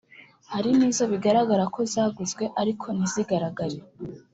Hari n’izo bigaragara ko zaguzwe ariko ntizigaragare